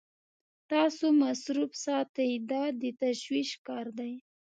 تاسو مصروف ساتي دا د تشویش کار دی.